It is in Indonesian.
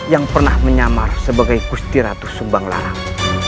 yang pernah menyamar sebagai gusti ratu sumbanglarang